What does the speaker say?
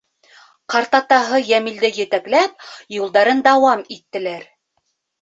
Ҡартатаһы Йәмилде етәкләп юлдарын дауам иттеләр.